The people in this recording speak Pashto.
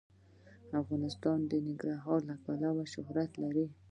افغانستان د ننګرهار له امله شهرت لري.